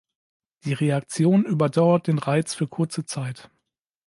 Die Reaktion überdauert den Reiz für kurze Zeit.